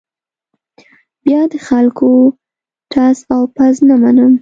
بیا د خلکو ټز او پز نه منم.